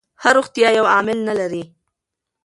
ښه روغتیا یو عامل نه لري.